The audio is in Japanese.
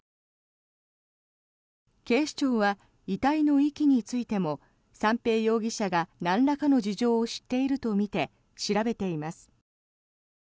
警視庁は、遺体の遺棄についても三瓶容疑者がなんらかの事情を知っているとみて調べています。